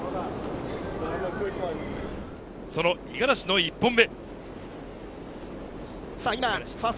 その五十嵐の１本目。